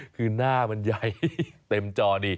คือหน้ามันใหญ่เต็มจอดิ